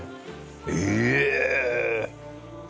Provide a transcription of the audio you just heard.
え